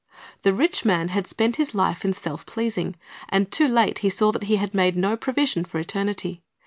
"^ The rich man had spent his life in self pleasing, and too late he saw that he had made no provision for eternity.